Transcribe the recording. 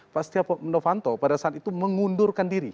pak stiavon mdovanto pada saat itu mengundurkan diri